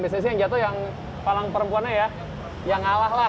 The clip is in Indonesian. biasanya sih yang jatuh yang palang perempuannya ya yang ngalah lah